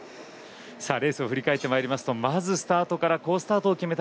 レースを振り返ってまいりますとまずスタートから好スタートを決めた